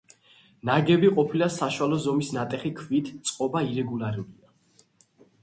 ნაგები ყოფილა საშუალო ზომის ნატეხი ქვით, წყობა ირეგულარულია.